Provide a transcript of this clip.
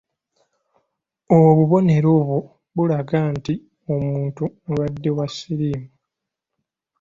Obubonero obwo bulaga nti omuntu mulwadde wa siriimu.